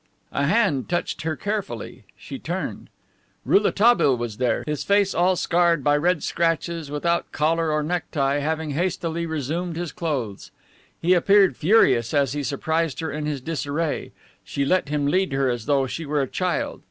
A hand touched her carefully. She turned. Rouletabille was there, his face all scarred by red scratches, without collar or neck tie, having hastily resumed his clothes. He appeared furious as he surprised her in his disarray. She let him lead her as though she were a child.